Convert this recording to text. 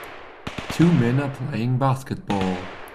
Two men are playing basketball